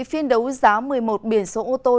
phiên đấu giá một mươi một biển số ô tô